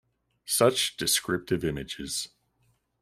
Such descriptive images.